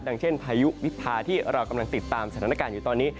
เช่นพายุวิพาที่เรากำลังติดตามสถานการณ์อยู่ตอนนี้